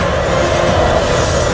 amin ya rukh alamin